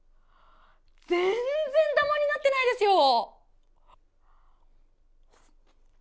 全然ダマになってないですよ。